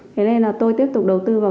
thế nên là tôi tiếp tục đầu tư vào